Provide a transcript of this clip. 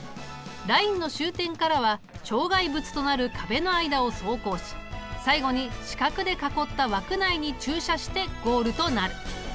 ラインの終点からは障害物となる壁の間を走行し最後に四角で囲った枠内に駐車してゴールとなる。